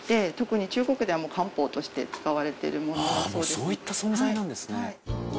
そういった存在なんですね。